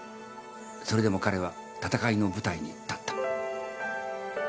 それでも彼は闘いの舞台に立った。